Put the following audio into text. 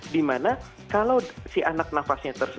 dimana kalau si anak nafasnya